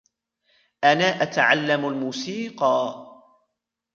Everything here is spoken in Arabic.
أنا أتعلم الموسيقى.